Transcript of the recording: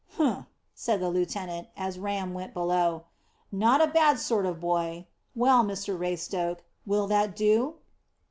"Humph!" said the lieutenant, as Ram went below; "not a bad sort of boy. Well, Mr Raystoke, will that do?"